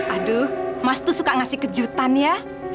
aduh mas tuh suka ngasih kejutan ya